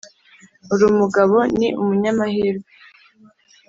uri mugabo ni umunyamahirwe